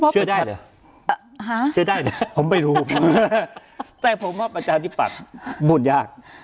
เชื่อได้เหรอผมไม่รู้แต่ผมว่าประชาธิปักษ์พูดยาก